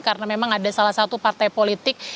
karena memang ada salah satu partai politik